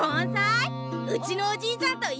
うちのおじいちゃんといっしょだ！